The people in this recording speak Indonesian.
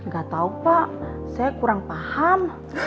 gatau pak saya kurang paham